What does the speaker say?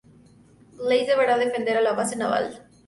Blaze deberá defender la base naval de St.